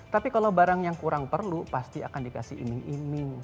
tapi kalau barang yang kurang perlu pasti akan dikasih iming iming